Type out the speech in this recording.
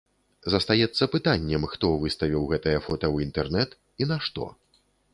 Застаецца пытаннем, хто выставіў гэтае фота ў інтэрнэт і нашто.